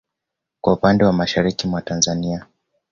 Kwa upande wa mashariki mwa Tanzania